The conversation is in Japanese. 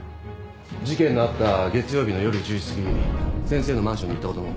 事件のあった月曜日の夜１０時すぎ先生のマンションに行ったことも。